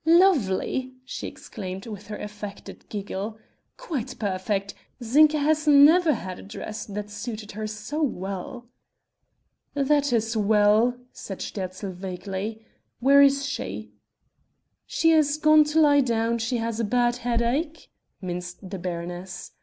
"Lovely!" she exclaimed, with her affected giggle, "quite perfect! Zinka has never had a dress that suited her so well." "That is well!" said Sterzl vaguely, "where is she?" "She is gone to lie down; she has a bad headache," minced the baroness.